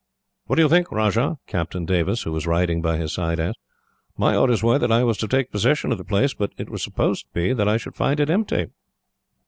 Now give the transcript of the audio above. "'What do you think, Rajah?' Captain Davis, who was riding by his side, asked. 'My orders were that I was to take possession of the place, but it was supposed that I should find it empty.'